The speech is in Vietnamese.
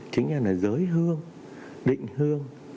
kinh nhang là giới hương định hương